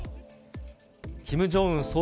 キム・ジョンウン